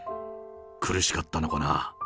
苦しかったのかな？